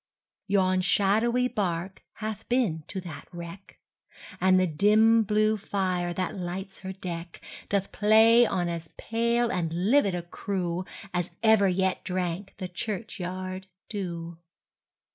Yon shadowy bark hath been to that wreck, And the dim blue fire, that lights her deck, Doth play on as pale and livid a crewAs ever yet drank the churchyard dew.